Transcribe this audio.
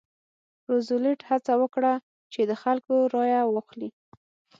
روزولټ هڅه وکړه چې د خلکو رایه واخلي.